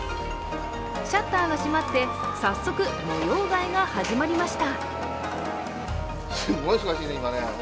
シャッターが閉まって早速、模様替えが始まりました。